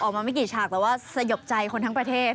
ไม่กี่ฉากแต่ว่าสยบใจคนทั้งประเทศ